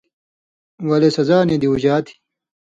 ولے سزا نی دیُوژا تھی۔